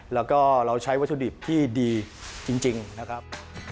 แล้วก็เราใช้วัตถุดิบที่ดีจริงนะครับ